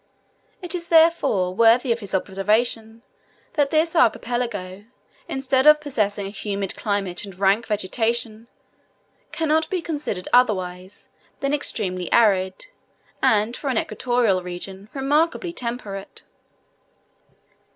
It is, therefore, worthy of his observation, that this archipelago, instead of possessing a humid climate and rank vegetation, cannot be considered otherwise than extremely arid, and, for an equatorial region, remarkably temperate.